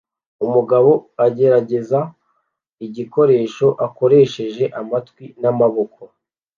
Umugabo agerageza igikoresho akoresheje amatwi n'amaboko